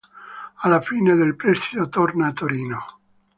Alla fine del prestito torna a Torino.